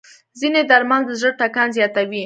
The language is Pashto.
ځینې درمل د زړه ټکان زیاتوي.